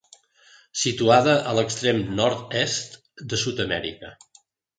Situada a l'extrem nord-est de Sud-amèrica.